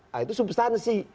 nah itu substansi